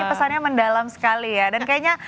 ini pesannya mendalam sekali ya